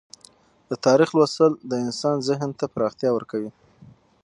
د تاریخ لوستل د انسان ذهن ته پراختیا ورکوي.